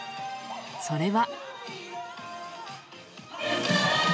それは。